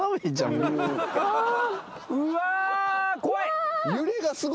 うわ怖い！